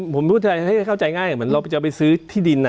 ผมพูดให้เข้าใจง่ายเหมือนเราจะไปซื้อที่ดิน